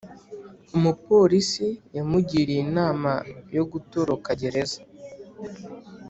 Umupolisi yamugiriye inama yo gutoroka gereza